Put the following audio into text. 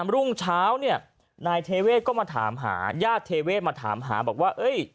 รุ่งเช้าเนี่ยนายเทเวศก็มาถามหาญาติเทเวศมาถามหาบอกว่า